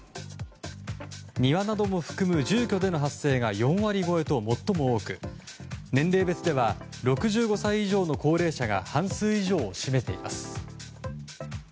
庭なども含む住居での発生が４割超えと最も多く年齢別では６５歳以上の高齢者が半数以上を占めています。